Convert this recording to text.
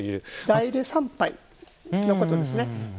代理参拝のことですね。